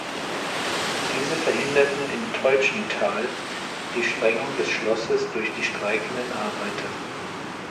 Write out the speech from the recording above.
Diese verhinderten in Teutschenthal die Sprengung des Schlosses durch die streikenden Arbeiter.